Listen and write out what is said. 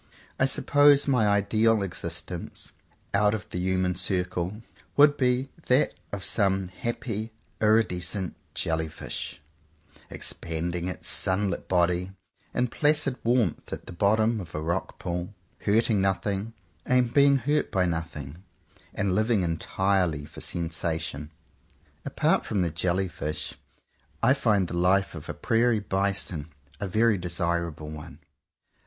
I suppose my ideal existence, out of the human circle, would be that of some happy iridescent jelly fish, expanding its sunlit body in placid warmth at the bottom of a rock pool, hurting nothing and being hurt by nothing — and living entirely for sensation. Apart from the jelly fish, I find the life of a Prairie 66 JOHN COWPER POWYS Bison a very desirable one.